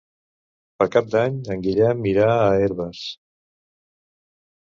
Per Cap d'Any en Guillem irà a Herbers.